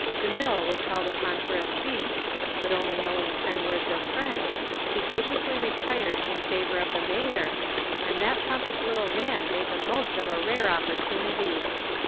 DeMille was called upon for a speech, but knowing only ten words of French, he graciously retired in favor of the mayor, and that pompous little man made the most of a rare opportunity.